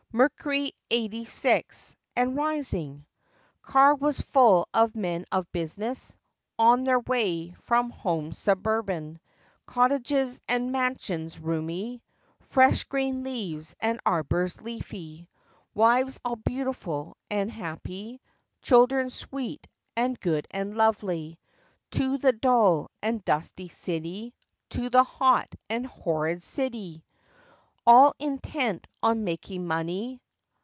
Mercury eighty six, and rising. Car was full of men of business, On their way from homes suburban— Cottages and mansions roomy; Fresh, green lawns, and arbors leafy; Wives, all beautiful and happy; Children, sweet and good and lovely— To the dull and dusty city. To the hot and hoi rid city! All intent on making money.